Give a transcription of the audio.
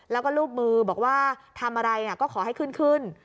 แล้วก็รูปมือบอกว่าทำอะไรก็ขอให้ขึ้นขึ้น